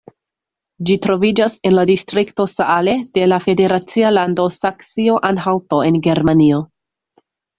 Ĝi troviĝas en la distrikto Saale de la federacia lando Saksio-Anhalto en Germanio.